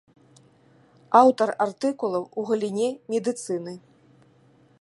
Аўтар артыкулаў у галіне медыцыны.